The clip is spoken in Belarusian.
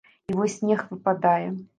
І вось снег выпадае.